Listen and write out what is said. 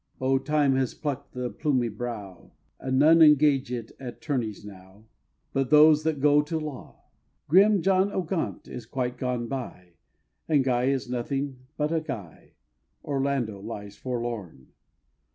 Oh, Time has pluck'd the plumy brow! And none engage at tourneys now But those that go to law! Grim John o' Gaunt is quite gone by, And Guy is nothing but a Guy, Orlando lies forlorn!